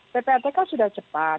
ppatk sudah cepat